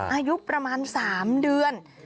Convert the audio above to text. อายุประมาณ๓เดือน